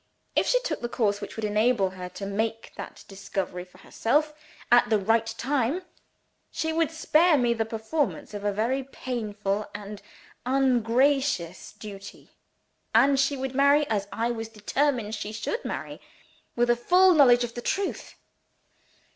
If she took the course which would enable her to make that discovery for herself, at the right time, she would spare me the performance of a very painful and ungracious duty and she would marry, as I was determined she should marry, with a full knowledge of the truth.